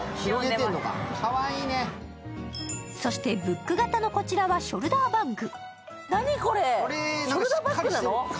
そしてブック型のこちらはショルダーバッグ。